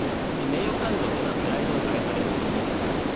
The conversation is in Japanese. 名誉感情というのはプライドを害されることなんです。